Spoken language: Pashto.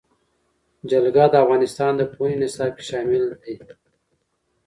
جلګه د افغانستان د پوهنې نصاب کې شامل دي.